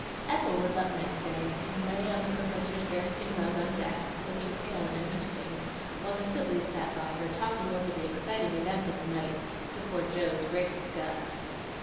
Ethel was up next day, and lay on the Professor's bearskin rug on deck, looking pale and interesting, while the Sibleys sat by her talking over the exciting event of the night, to poor Joe's great disgust.